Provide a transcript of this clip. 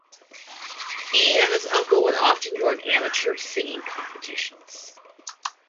He and his uncle would often join amateur singing competitions.